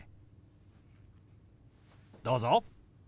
どうぞ。